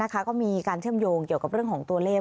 ก็มีการเชื่อมโยงเกี่ยวกับเรื่องของตัวเลข